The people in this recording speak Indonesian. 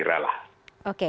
tentu publik sudah mengiranya